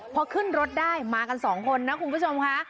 พอขึ้นรถได้มากันสองคนนะคุณผู้ชมค่ะ